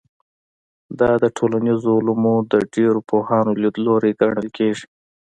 دا د ټولنیزو علومو د ډېرو پوهانو لیدلوری ګڼل کېږي.